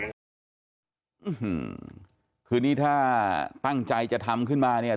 อืมคือนี่ถ้าตั้งใจจะทำขึ้นมาเนี่ย